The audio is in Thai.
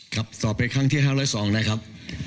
ครับต่อไปครั้งที่๕๐๒นะครับ